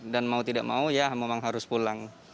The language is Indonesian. dan mau tidak mau ya memang harus pulang